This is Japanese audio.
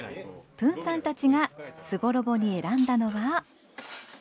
プンさんたちが「超絶機巧」に選んだのは。